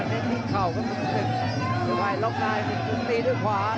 ยังไม่มีทิ้งเข่าก็คือสิ่งสุดท้ายรอบนายเป็นกลุ่มตีด้วยขวา